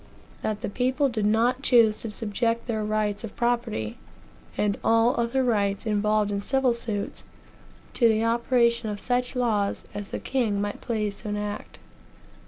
that the people did not choose to subject their rights of property, and all other rights involved in civil suits, to the operation of such laws as the king might please to enact.